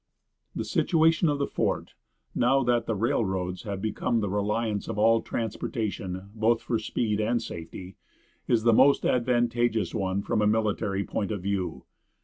The situation of the fort, now that the railroads have become the reliance of all transportation, both for speed and safety, is a most advantageous one from a military point of view.